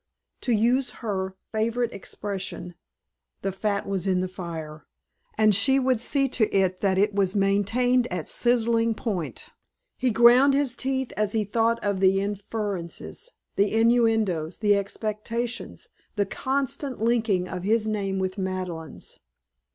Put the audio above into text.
To use her favorite expression, the fat was in the fire; and she would see to it that it was maintained at sizzling point. He ground his teeth as he thought of the inferences, the innuendos, the expectations, the constant linking of his name with Madeleine's.